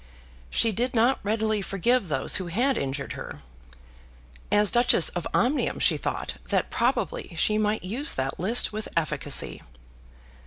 She did not readily forgive those who had injured her. As Duchess of Omnium she thought that probably she might use that list with efficacy.